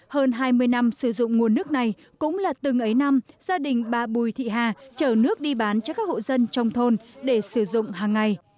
hơn hai mươi năm sử dụng nguồn nước này cũng là từng ấy năm gia đình bà bùi thị hà chở nước đi bán cho các hộ dân trong thôn để sử dụng hàng ngày